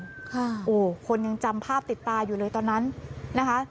ค่ะโอ้คนยังจำภาพติดตาอยู่เลยตอนนั้นนะคะ